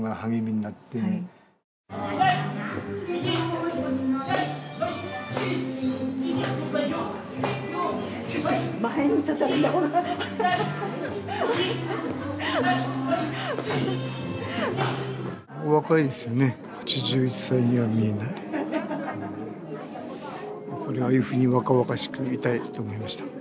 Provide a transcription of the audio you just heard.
やっぱりああいうふうに若々しくいたいと思いました。